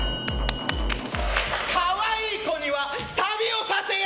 かわいい子には旅をさせよ！